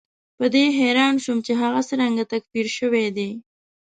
په دې حیران شوم چې هغه څرنګه تکفیر شوی دی.